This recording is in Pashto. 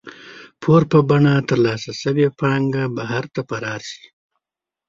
پور په بڼه ترلاسه شوې پانګه بهر ته فرار شي.